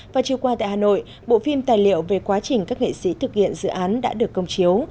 và chiều qua tại hà nội bộ phim tài liệu về quá trình các nghệ sĩ thực hiện dự án đã được công chiếu